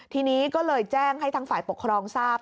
ทีนี้ก็เลยแจ้งให้ทางฝ่ายปกครองทราบ